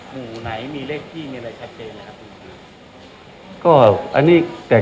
หมู่ไหนมีเลขที่มีอะไรชัดเจนนะครับ